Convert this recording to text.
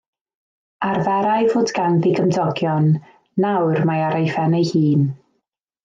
Arferai fod ganddi gymdogion, nawr mae ar ei phen ei hun.